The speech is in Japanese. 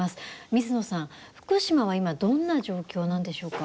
水野さん、福島は今どんな状況なんでしょうか？